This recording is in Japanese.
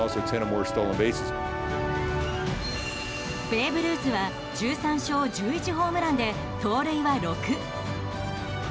ベーブ・ルースは１３勝１１ホームランで盗塁は６。